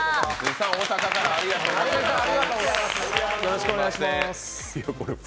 大阪からありがとうございます。